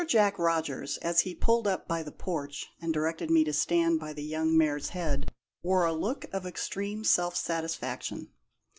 Jack Rogers, as he pulled up by the porch and directed me to stand by the young mare's head, wore a look of extreme self satisfaction.